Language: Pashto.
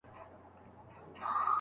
ملي عاید په تیرو وختونو کي زیات سو.